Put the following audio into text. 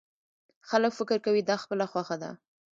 خلک فکر کوي دا خپله خوښه ده.